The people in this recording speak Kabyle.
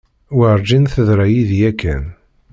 Werǧin teḍra yid-i yakan.